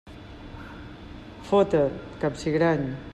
Fot-te, capsigrany!